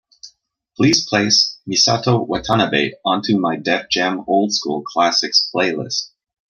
Please place Misato Watanabe onto my Def Jam Old School Classics playlist.